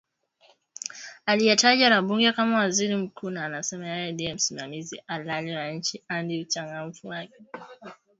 aliyetajwa na bunge kama waziri mkuu na anasema yeye ndie msimamizi halali wa nchi hadi uchaguzi ufanyike